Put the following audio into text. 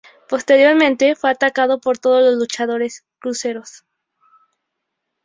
Posteriormente, fue atacado por todos los luchadores cruceros.